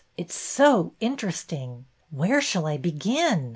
It's so interesting. Where shall I begin